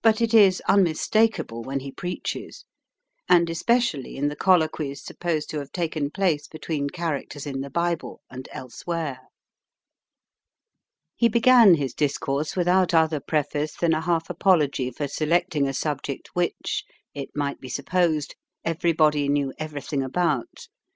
But it is unmistakable when he preaches, and especially in the colloquies supposed to have taken place between characters in the Bible and elsewhere. He began his discourse without other preface than a half apology for selecting a subject which, it might be supposed, everybody knew everything about.